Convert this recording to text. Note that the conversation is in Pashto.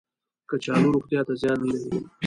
کچالو روغتیا ته زیان نه لري